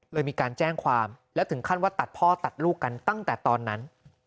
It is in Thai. เลยมีการแจ้งความแล้วถึงขั้นว่าตัดพ่อตัดลูกกันตั้งแต่ตอนนั้น